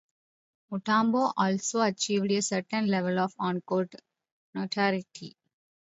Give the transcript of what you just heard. Mutombo also achieved a certain level of on-court notoriety.